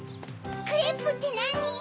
クレープってなに？